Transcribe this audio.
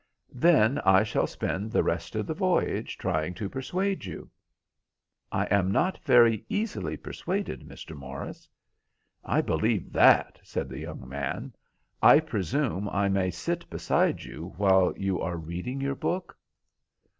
"Then I shall spend the rest of the voyage trying to persuade you." "I am not very easily persuaded, Mr. Morris." "I believe that," said the young man. "I presume I may sit beside you while you are reading your book?"